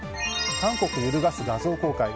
韓国揺るがす画像公開。